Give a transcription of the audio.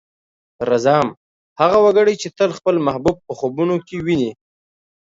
رځام: هغه وګړی چې تل خپل محبوب په خوبونو کې ويني.